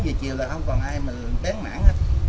sáu giờ chiều là không còn ai mà bén mãn hết